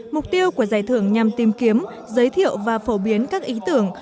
mục tiêu của giải thưởng nhằm tìm kiếm giới thiệu và phổ biến các ý tưởng